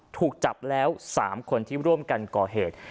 ถูกจับแล้ว๓คนที่ร่วมกันก่อเหตุ